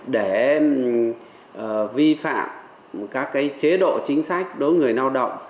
để vi phạm các chế độ chính sách đối với người lao động